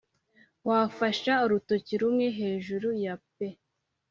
wafashe urutoki rumwe hejuru ya pee;